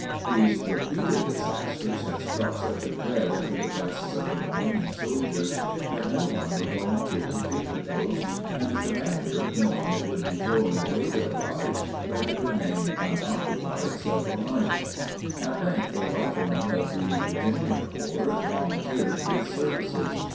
These repeated disasters had struck such a dread into the breasts of the remaining soldiers, that no one would volunteer to take the post, and the commander, knowing it would be throwing away their lives, let it remain unoccupied several nights. At length a rifleman of the Virginia corps, volunteered his services.